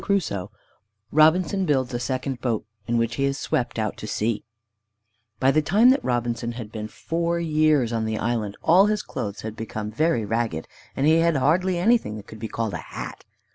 IV ROBINSON BUILDS A SECOND BOAT, IN WHICH HE IS SWEPT OUT TO SEA By the time that Robinson had been four years on the island, all his clothes had become very ragged, and he had hardly anything that could be called a hat.